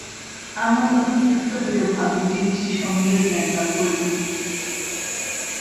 আমরা তখন তৃপ্ত হই ও ভাবি, জিনিষটি সম্বন্ধে জ্ঞানলাভ করিলাম।